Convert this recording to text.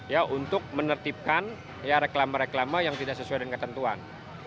ya untuk menertibkan ya reklama reklama yang tidak sesuai dengan ketentuan